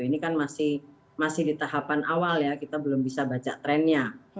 ini kan masih di tahapan awal ya kita belum bisa baca trennya